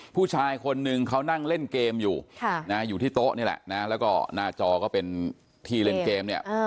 ผู้ชายคนนึงเขานั่งเล่นเกมอยู่อยู่ที่โต๊ะนี่แหละนะแล้วก็หน้าจอก็เป็นที่เล่นเกมเนี่ย